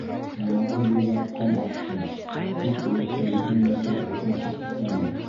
Яңағы буйлап ҡан аҡты, тик эйәккә етмәйенсә уҡмашып туҡтаны.